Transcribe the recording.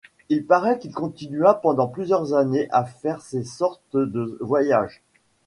Il paraît qu'il continua pendant plusieurs années à faire ces sortes de voyages.